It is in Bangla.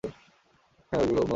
হেই ওগুলো মহামূল্যবান জিনিস।